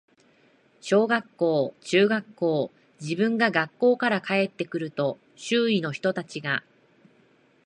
小学校、中学校、自分が学校から帰って来ると、周囲の人たちが、